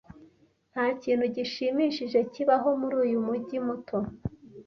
Ntakintu gishimishije kibaho muri uyu mujyi muto.